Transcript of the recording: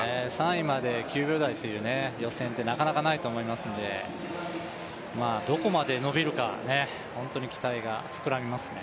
３位まで９秒台という予選ってなかなかないと思いますので、どこまで伸びるかね